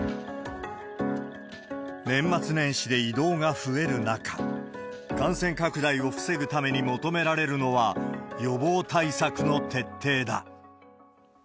年末年始で移動が増える中、感染拡大を防ぐために求められるのは、予防対策の徹底だ。